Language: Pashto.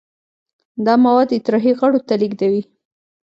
دا مواد اطراحي غړو ته لیږدوي.